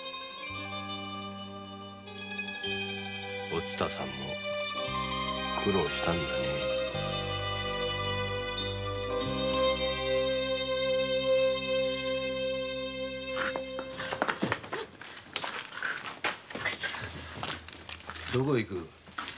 お蔦さんも苦労したんだねぇどこへ行く？